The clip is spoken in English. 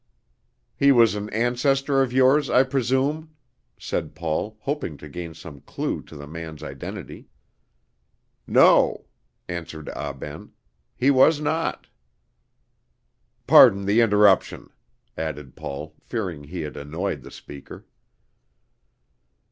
"He was an ancestor of yours, I presume," said Paul, hoping to gain some clew to the man's identity. "No," answered Ah Ben, "he was not." "Pardon the interruption," added Paul, fearing he had annoyed the speaker.